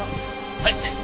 はい！